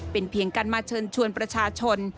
เป็นเพียงการมาเชิญชวนประชาชน